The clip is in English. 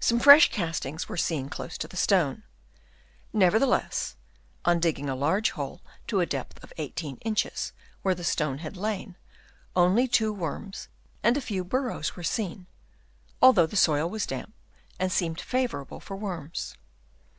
Some fresh castings were seen close to the stone. Nevertheless, on digging a large hole to a depth of 18 inches where the stone had lain, only two worms and a few burrows were seen, although the soil was damp and seemed favourable for worms.